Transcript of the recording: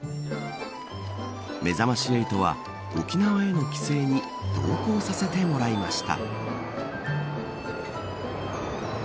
めざまし８は沖縄への帰省に同行させてもらいました。